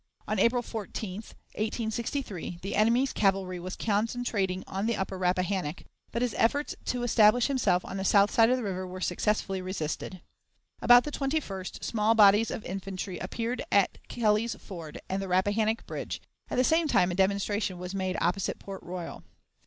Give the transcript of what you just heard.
On April 14, 1863, the enemy's cavalry was concentrating on the upper Rappahannock, but his efforts to establish himself on the south side of the river were successfully resisted. About the 21st, small bodies of infantry appeared at Kelly's Ford and the Rappahannock Bridge; at the same time a demonstration was made opposite Port Royal.